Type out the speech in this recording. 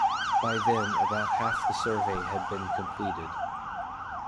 By then about half the survey had been completed.